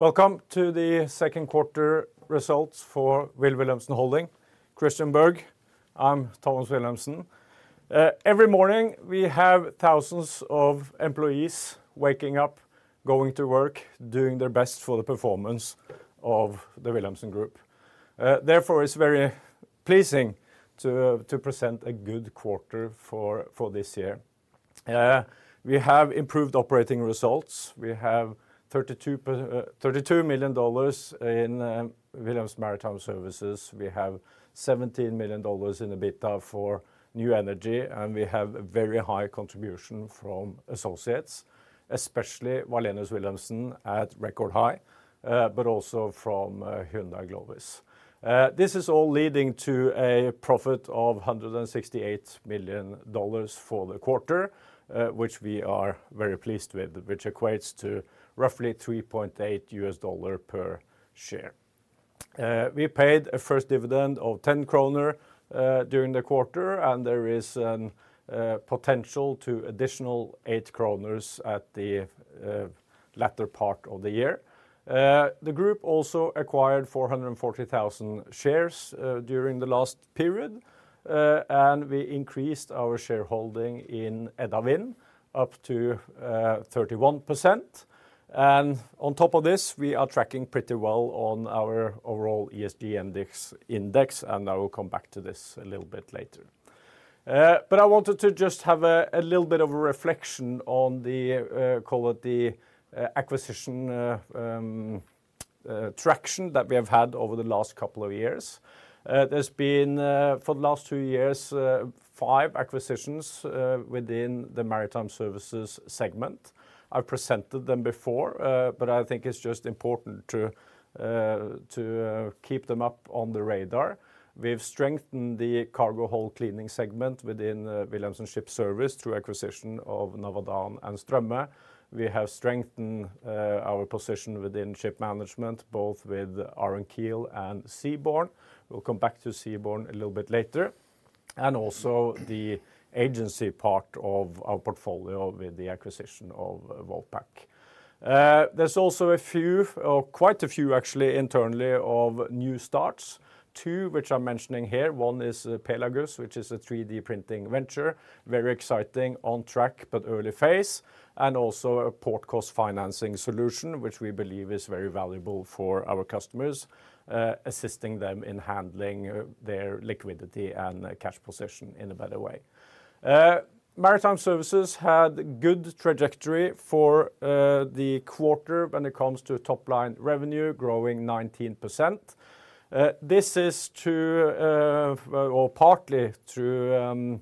Welcome to the second quarter results for Wilh. Wilhelmsen Holding. Christian Berg, I'm Thomas Wilhelmsen. Every morning, we have thousands of employees waking up, going to work, doing their best for the performance of the Wilhelmsen Group. Therefore, it's very pleasing to present a good quarter for this year. We have improved operating results. We have $32 million in Wilhelmsen Maritime Services. We have $17 million in EBITDA for New Energy, and we have a very high contribution from associates, especially Wallenius Wilhelmsen at record high, but also from Hyundai Glovis. This is all leading to a profit of $168 million for the quarter, which we are very pleased with, which equates to roughly $3.8 per share. We paid a first dividend of 10 kroner during the quarter, and there is a potential to additional 8 kroner at the latter part of the year. The group also acquired 440,000 shares during the last period, and we increased our shareholding in Edda Wind up to 31%. And on top of this, we are tracking pretty well on our overall ESG Index, and I will come back to this a little bit later. But I wanted to just have a little bit of a reflection on the call it the acquisition traction that we have had over the last couple of years. There's been for the last two years five acquisitions within the Maritime Services segment. I've presented them before, but I think it's just important to keep them up on the radar. We've strengthened the cargo hold cleaning segment within the Wilhelmsen Ships Service through acquisition of Navadan and Strømme. We have strengthened our position within ship management both with Ahrenkiel and Zeaborn. We'll come back to Zeaborn a little bit later, and also the agency part of our portfolio with the acquisition of Vopak. There's also a few, or quite a few actually, internally of new starts. Two, which I'm mentioning here, one is Pelagus, which is a 3D printing venture, very exciting, on track, but early phase, and also a port cost financing solution, which we believe is very valuable for our customers, assisting them in handling their liquidity and cash position in a better way. Maritime Services had good trajectory for the quarter when it comes to top-line revenue, growing 19%. This is through, or partly through,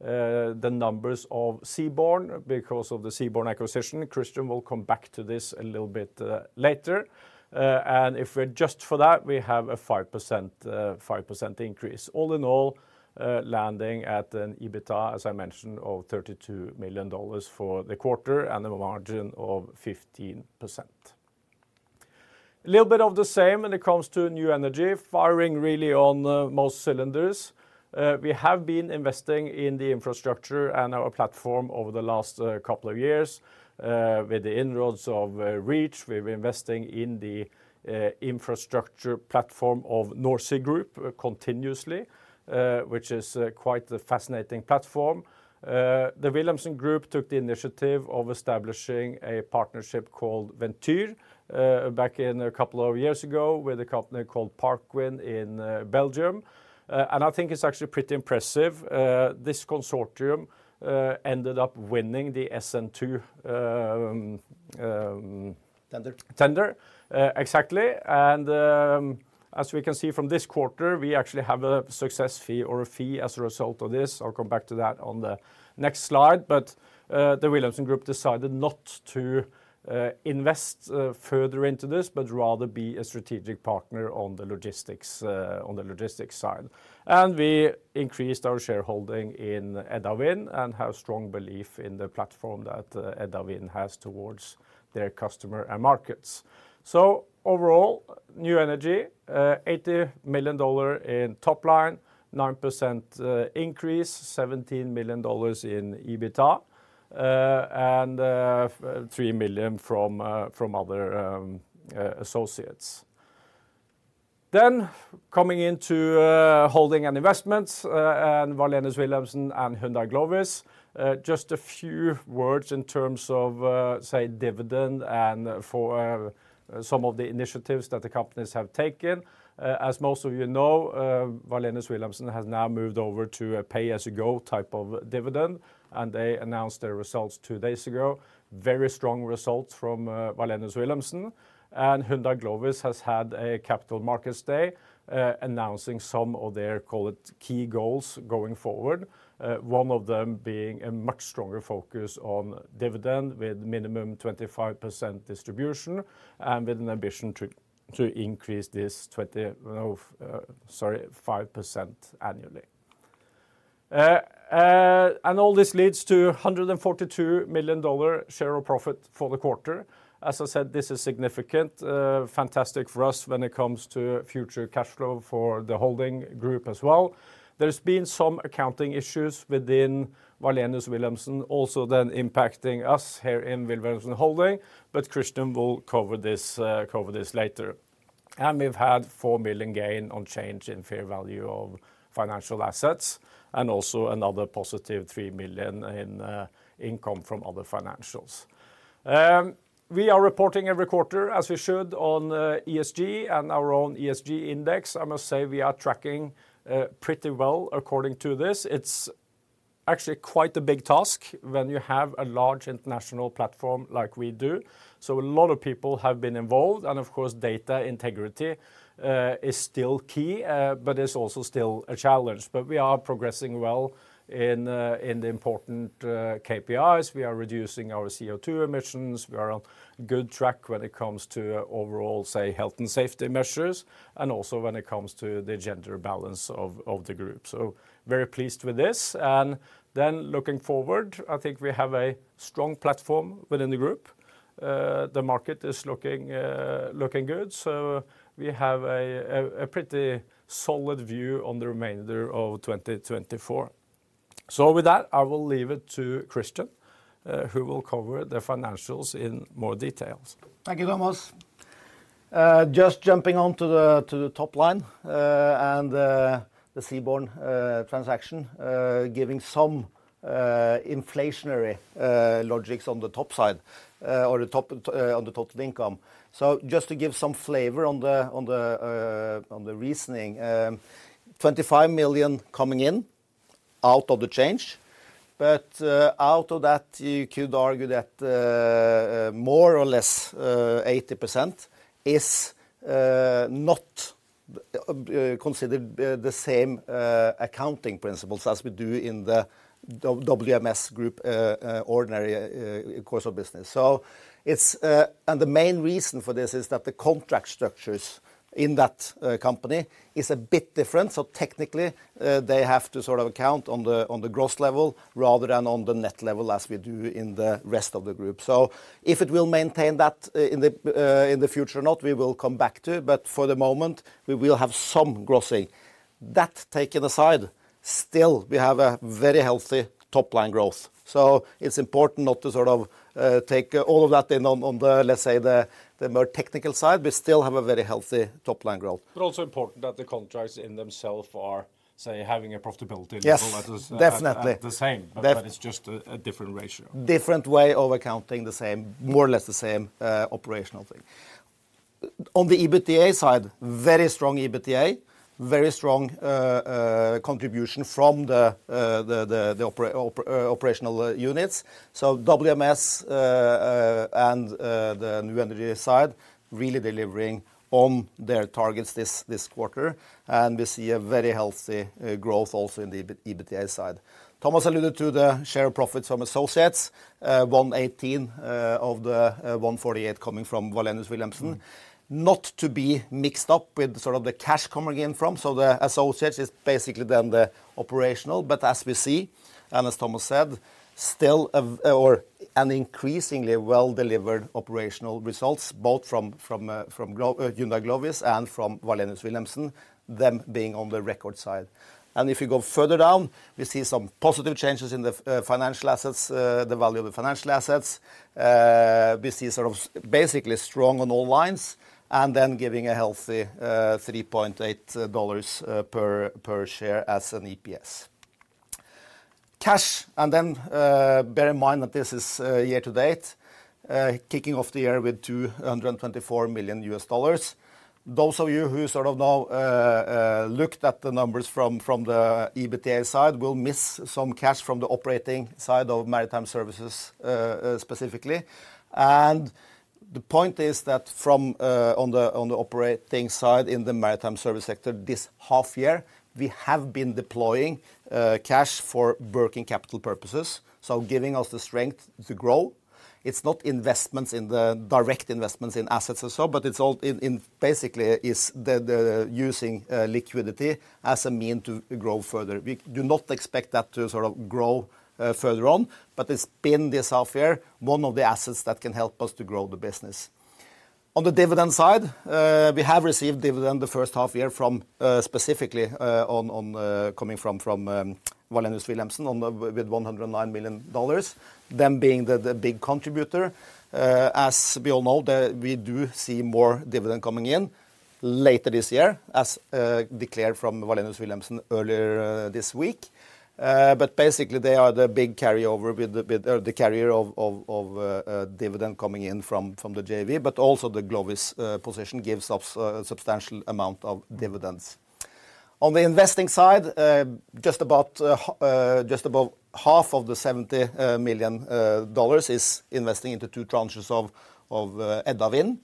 the numbers of Zeaborn because of the Zeaborn acquisition. Christian will come back to this a little bit later. And if we adjust for that, we have a 5% increase. All in all, landing at an EBITDA, as I mentioned, of $32 million for the quarter and a margin of 15%. A little bit of the same when it comes to New Energy, firing really on most cylinders. We have been investing in the infrastructure and our platform over the last couple of years, with the inroads of Reach. We've been investing in the infrastructure platform of NorSea Group continuously, which is quite a fascinating platform. The Wilhelmsen Group took the initiative of establishing a partnership called Ventyr back in a couple of years ago, with a company called Parkwind in Belgium. And I think it's actually pretty impressive. This consortium ended up winning the SN2. Tender. Tender, exactly, and, as we can see from this quarter, we actually have a success fee or a fee as a result of this. I'll come back to that on the next slide. But, the Wilhelmsen Group decided not to invest further into this, but rather be a strategic partner on the logistics, on the logistics side. And we increased our shareholding in Edda Wind and have strong belief in the platform that Edda Wind has towards their customer and markets. So overall, New Energy, $80 million in top line, 9% increase, $17 million in EBITDA, and $3 million from other associates. Then, coming into holding and investments, and Wallenius Wilhelmsen and Hyundai Glovis, just a few words in terms of, say, dividend and for some of the initiatives that the companies have taken. As most of you know, Wallenius Wilhelmsen has now moved over to a pay-as-you-go type of dividend, and they announced their results two days ago. Very strong results from Wallenius Wilhelmsen, and Hyundai Glovis has had a capital markets day, announcing some of their, call it, key goals going forward. One of them being a much stronger focus on dividend, with minimum 25% distribution and with an ambition to increase this 20, sorry, 5% annually. And all this leads to $142 million share of profit for the quarter. As I said, this is significant, fantastic for us when it comes to future cash flow for the holding group as well. There's been some accounting issues within Wallenius Wilhelmsen, also then impacting us here in Wilhelmsen Holding, but Christian will cover this, cover this later. And we've had 4 million gain on change in fair value of financial assets, and also another positive 3 million in income from other financials. We are reporting every quarter, as we should, on ESG and our own ESG index. I must say, we are tracking pretty well according to this. It's actually quite a big task when you have a large international platform like we do, so a lot of people have been involved, and of course, data integrity is still key, but it's also still a challenge. But we are progressing well in the important KPIs. We are reducing our CO2 emissions. We are on good track when it comes to overall, say, health and safety measures, and also when it comes to the gender balance of the group. So very pleased with this. And then looking forward, I think we have a strong platform within the group. The market is looking good, so we have a pretty solid view on the remainder of 2024. So with that, I will leave it to Christian, who will cover the financials in more details. Thank you, Thomas. Just jumping onto the top line, and the Zeaborn transaction, giving some inflationary logics on the top side, or the top on the total income. So just to give some flavor on the reasoning, 25 million coming in out of the change, but out of that, you could argue that more or less 80% is not considered the same accounting principles as we do in the WMS Group, ordinary course of business. So it's. And the main reason for this is that the contract structures in that company is a bit different. So technically, they have to sort of account on the gross level rather than on the net level as we do in the rest of the group. So if it will maintain that, in the future or not, we will come back to it, but for the moment, we will have some grossing. That taken aside, still, we have a very healthy top-line growth. So it's important not to sort of take all of that in on the, let's say, the more technical side. We still have a very healthy top-line growth. But also important that the contracts in themselves are, say, having a profitability level- Yes, definitely... at the same. Def- But it's just a different ratio. Different way of accounting the same... more or less the same operational thing. On the EBITDA side, very strong EBITDA. Very strong contribution from the operational units. So WMS and the New Energy side really delivering on their targets this quarter, and we see a very healthy growth also in the EBITDA side. Thomas alluded to the share of profits from associates, 118 of the 148 coming from Wallenius Wilhelmsen. Not to be mixed up with sort of the cash coming in from, so the associates is basically then the operational, but as we see, and as Thomas said, still an increasingly well-delivered operational results, both from Hyundai Glovis and from Wallenius Wilhelmsen, them being on the record side. And if you go further down, we see some positive changes in the financial assets, the value of the financial assets. We see sort of basically strong on all lines and then giving a healthy $3.8 per share as an EPS. Cash, and then bear in mind that this is year to date, kicking off the year with $224 million. Those of you who sort of now looked at the numbers from the EBITDA side will miss some cash from the operating side of Maritime Services, specifically. The point is that on the operating side in the maritime service sector this half year, we have been deploying cash for working capital purposes, so giving us the strength to grow. It's not direct investments in assets and so, but it's all basically the using liquidity as a mean to grow further. We do not expect that to sort of grow further on, but it's been this half year one of the assets that can help us to grow the business. On the dividend side, we have received dividend the first half year from, specifically, coming from Wallenius Wilhelmsen with $109 million, them being the big contributor. As we all know, we do see more dividend coming in later this year, as declared from Wallenius Wilhelmsen earlier this week. But basically, they are the big carrier of dividend coming in from the JV, but also the Glovis position gives us a substantial amount of dividends. On the investing side, just about half of the $70 million is investing into two tranches of Edda Wind,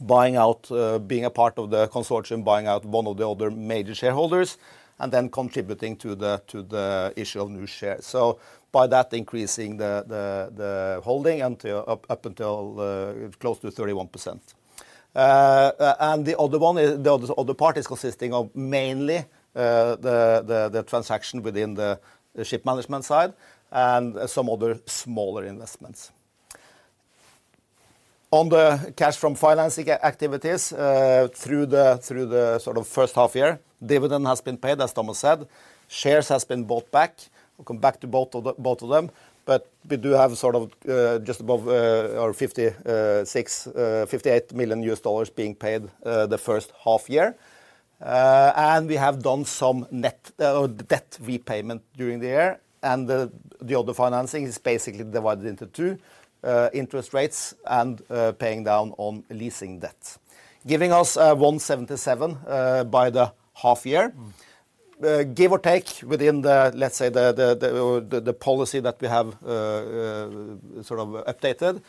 buying out being a part of the consortium, buying out one of the other major shareholders, and then contributing to the issue of new shares. So by that, increasing the holding up until close to 31%. And the other part is consisting of mainly the transaction within the ship management side and some other smaller investments. On the cash from financing activities, through the sort of first half year, dividend has been paid, as Thomas said. Shares has been bought back. We'll come back to both of the, both of them, but we do have sort of just above our $56 million-$58 million being paid the first half year. We have done some net debt repayment during the year, and the other financing is basically divided into two interest rates and paying down on leasing debt. Giving us $177 million by the half year Give or take within the, let's say, the policy that we have sort of updated.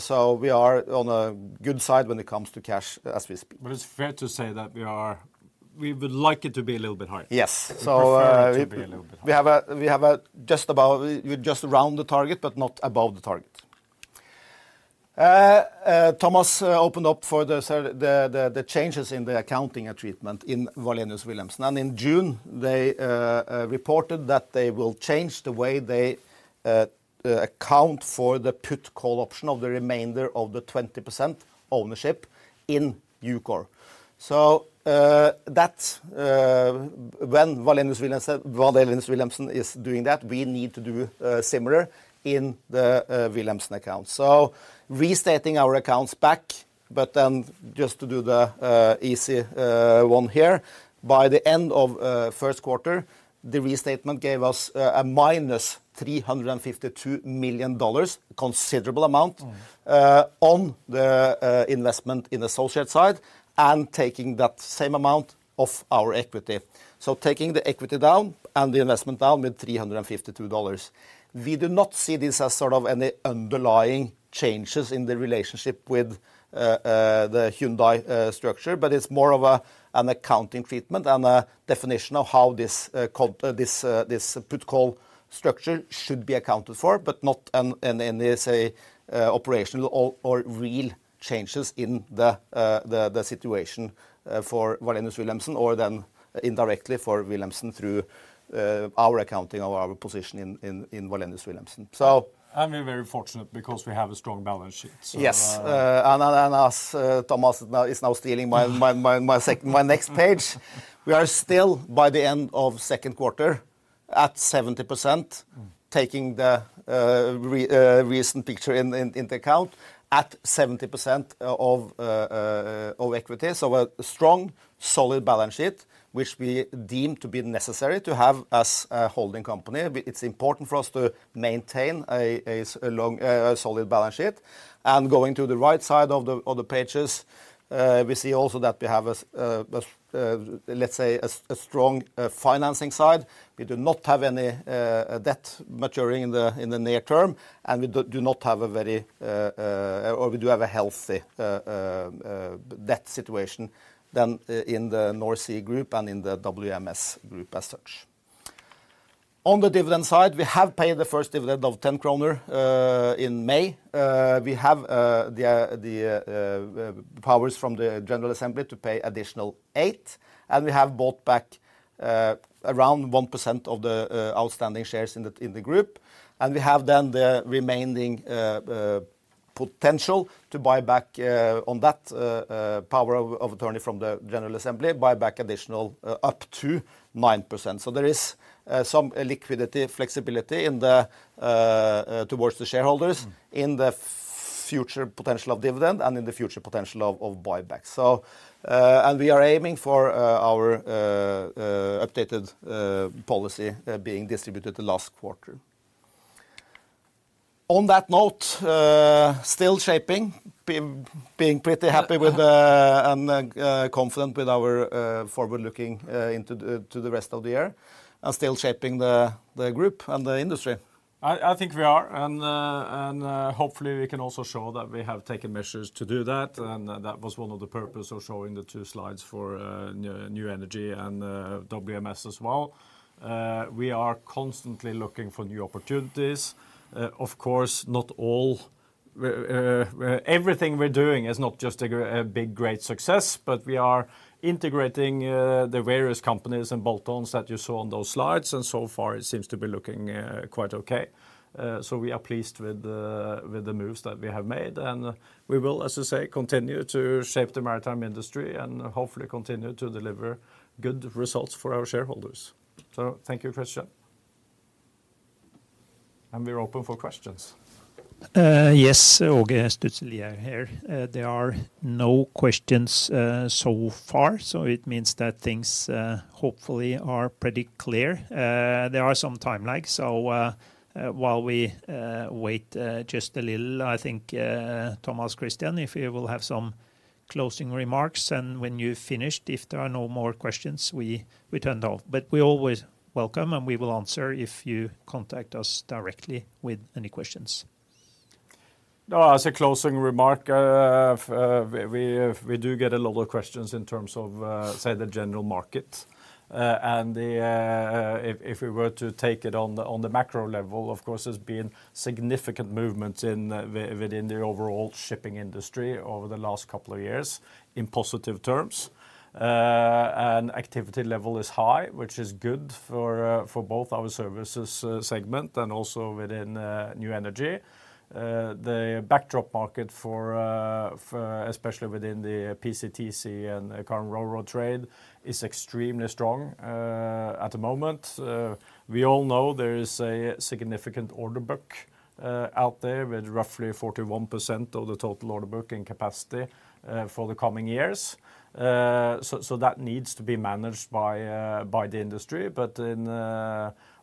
So we are on a good side when it comes to cash as we speak. But it's fair to say that we would like it to be a little bit higher. Yes. So, We prefer it to be a little bit higher. We just round the target, but not above the target. Thomas opened up for the changes in the accounting and treatment in Wallenius Wilhelmsen. And in June, they reported that they will change the way they account for the put/call option of the remainder of the 20% ownership in EUKOR. So, that, when Wallenius Wilhelmsen is doing that, we need to do similar in the Wilhelmsen account. So restating our accounts back, but then just to do the easy one here. By the end of first quarter, the restatement gave us a -$352 million, considerable amount on the investment in associate side, and taking that same amount of our equity. So taking the equity down and the investment down with $352. We do not see this as sort of any underlying changes in the relationship with the Hyundai structure, but it's more of an accounting treatment and a definition of how this put call structure should be accounted for, but not any say operational or real changes in the situation for Wallenius Wilhelmsen or then indirectly for Wilhelmsen through our accounting or our position in Wallenius Wilhelmsen. We're very fortunate because we have a strong balance sheet, so, Yes, and as Thomas now is stealing my next page. We are still, by the end of second quarter, at 70%, taking the recent picture into account, at 70% of equity. So a strong, solid balance sheet, which we deem to be necessary to have as a holding company. It's important for us to maintain a long, solid balance sheet. And going to the right side of the pages, we see also that we have a, let's say, a strong financing side. We do not have any debt maturing in the near term, and we do not have a very... Or we do have a healthy debt situation than in the NorSea Group and in the WMS group as such. On the dividend side, we have paid the first dividend of 10 kroner in May. We have the powers from the General Assembly to pay additional 8%, and we have bought back around 1% of the outstanding shares in the group, and we have then the remaining potential to buy back on that power of attorney from the General Assembly, buy back additional up to 9%. So there is some liquidity flexibility in the towards the shareholders in the future potential of dividend and in the future potential of buyback. So, and we are aiming for our updated policy being distributed the last quarter. On that note, still shaping, being pretty happy with the... and confident with our forward looking into the to the rest of the year, and still shaping the group and the industry. I think we are, and hopefully we can also show that we have taken measures to do that, and that was one of the purpose of showing the two slides for New Energy and WMS as well. We are constantly looking for new opportunities. Of course, not all everything we're doing is not just a big, great success, but we are integrating the various companies and bolt-ons that you saw on those slides, and so far, it seems to be looking quite okay. So we are pleased with the moves that we have made, and we will, as I say, continue to shape the maritime industry and hopefully continue to deliver good results for our shareholders. Thank you, Christian. We're open for questions. Yes, Åge Sturtzel here. There are no questions so far, so it means that things hopefully are pretty clear. There are some time left, so while we wait just a little, I think, Thomas, Christian, if you will have some closing remarks, and when you've finished, if there are no more questions, we turn it off. But we always welcome, and we will answer if you contact us directly with any questions. As a closing remark, we do get a lot of questions in terms of, say, the general market. If we were to take it on the macro level, of course, there's been significant movement within the overall shipping industry over the last couple of years, in positive terms. Activity level is high, which is good for both our services segment and also within New Energy. The backdrop market for especially within the PCTC and current ro-ro trade is extremely strong at the moment. We all know there is a significant order book out there, with roughly 41% of the total order book in capacity for the coming years. So that needs to be managed by the industry. But then,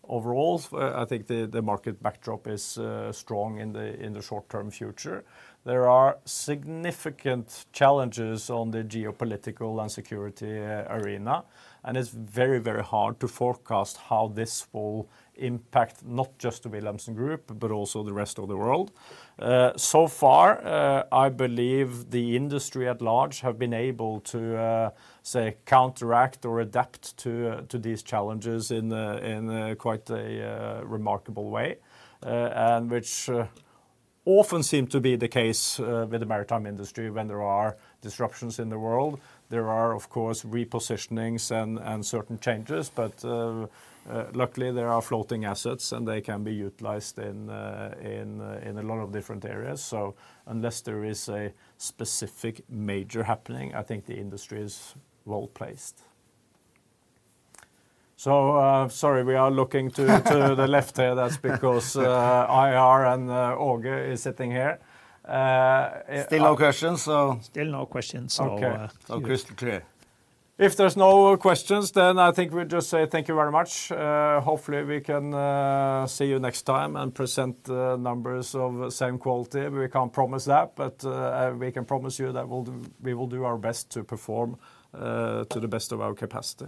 overall, I think the market backdrop is strong in the short-term future. There are significant challenges on the geopolitical and security arena, and it's very, very hard to forecast how this will impact not just the Wilhelmsen Group, but also the rest of the world. So far, I believe the industry at large have been able to say, counteract or adapt to these challenges in a quite remarkable way. And which often seem to be the case with the maritime industry when there are disruptions in the world. There are, of course, repositionings and certain changes, but luckily, there are floating assets, and they can be utilized in a lot of different areas. So unless there is a specific major happening, I think the industry is well-placed. So, sorry, we are looking to the left here. That's because, IR and, Åge is sitting here. Yeah- Still no questions, so- Still no questions, so, Okay. So, crystal clear. If there's no more questions, then I think we just say thank you very much. Hopefully, we can see you next time and present the numbers of the same quality. We can't promise that, but we can promise you that we'll do—we will do our best to perform to the best of our capacity.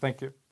Thank you.